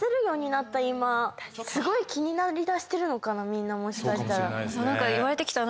みんなもしかしたら。